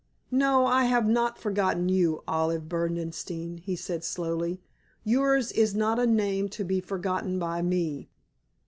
"No, I have not forgotten you, Olive Berdenstein," he said, slowly. "Yours is not a name to be forgotten by me.